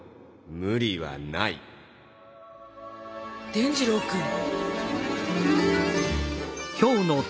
伝じろうくん⁉